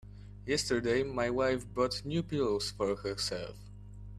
Yesterday my wife bought new pillows for herself.